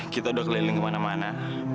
kita udah keliling kemana mana